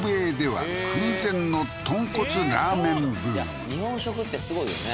実は今日本食ってすごいよね